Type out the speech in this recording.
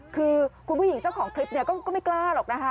คือคุณผู้หญิงเจ้าของคลิปเนี่ยก็ไม่กล้าหรอกนะคะ